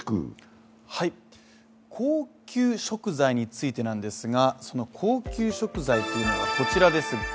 高級食材についてなんですが、その高級食材というのがこちらです。